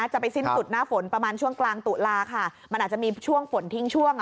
จะไปสิ้นสุดหน้าฝนประมาณช่วงกลางตุลาค่ะมันอาจจะมีช่วงฝนทิ้งช่วง